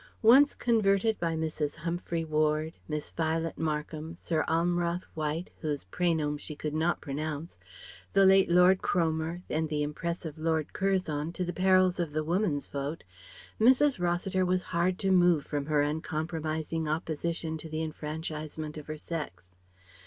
Once converted by Mrs. Humphry Ward, Miss Violet Markham, Sir Almroth Wright whose prénom she could not pronounce the late Lord Cromer, and the impressive Lord Curzon, to the perils of the Woman's Vote, Mrs. Rossiter was hard to move from her uncompromising opposition to the enfranchisement of her sex.